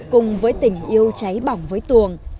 cùng với tình yêu cháy bỏng với tuồng